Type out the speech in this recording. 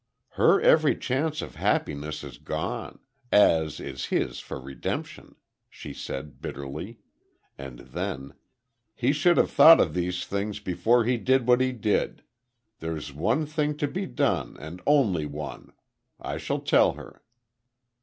"Her every chance of happiness is gone; as is his for redemption," she said, bitterly. And then: "He should have thought of these things before he did what he did.... There's one thing to be done, and only one. I shall tell her."